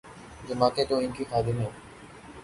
جماعتیں تو ان کی خادم ہیں۔